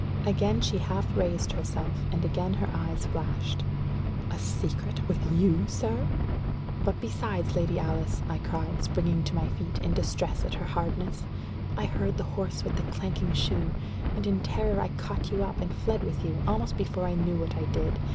Again she half raised herself, and again her eyes flashed. "A secret with you, sir!" "But, besides, Lady Alice," I cried, springing to my feet, in distress at her hardness, "I heard the horse with the clanking shoe, and, in terror, I caught you up, and fled with you, almost before I knew what I did.